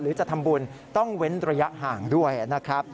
จะทำบุญต้องเว้นระยะห่างด้วยนะครับ